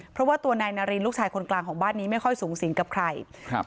เพราะว่าตัวนายนารินลูกชายคนกลางของบ้านนี้ไม่ค่อยสูงสิงกับใครครับ